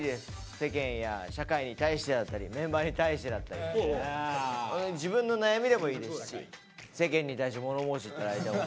世間や社会に対してだったりメンバーに対してだったり自分の悩みでもいいですし世間に対して物申して頂いても。